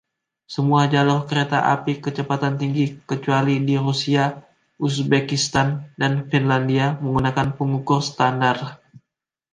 Semua jalur kereta api kecepatan tinggi, kecuali di Rusia, Uzbekistan, dan Finlandia, menggunakan pengukur standar.